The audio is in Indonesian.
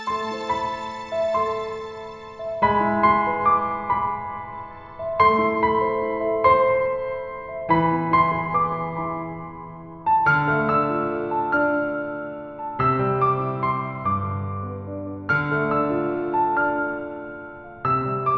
apakah pengorbanan ini tak cukup berarti